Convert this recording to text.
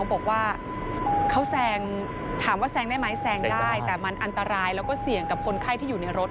บอกว่าเขาแซงถามว่าแซงได้ไหมแซงได้แต่มันอันตรายแล้วก็เสี่ยงกับคนไข้ที่อยู่ในรถ